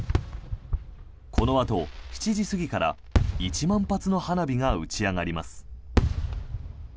このあと７時過ぎから１万発の花火が打ち上がります。